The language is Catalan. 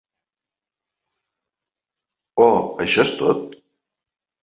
Oh, això és tot?